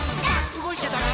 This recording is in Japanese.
うごいちゃダメ。